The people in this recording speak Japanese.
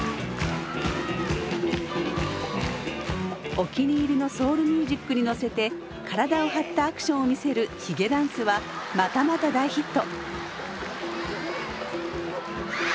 お気に入りのソウルミュージックに乗せて体を張ったアクションを見せるヒゲダンスはまたまた大ヒット。